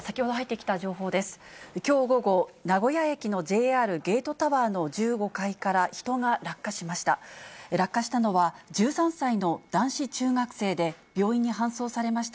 きょう午後、名古屋駅のＪＲゲートタワーの１５階から人が落下しました。